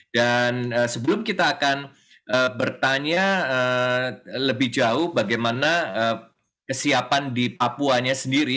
dan sebelum kita akan bertanya lebih jauh bagaimana kesiapan di papuanya sendiri